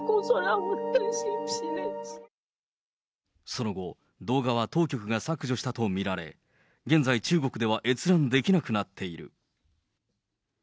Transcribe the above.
その後、動画は当局が削除したと見られ、現在、中国では閲覧できなくなっている。